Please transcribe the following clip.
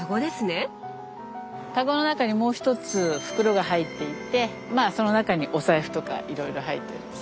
かごの中にもう１つ袋が入っていてまあその中にお財布とかいろいろ入ってるんです。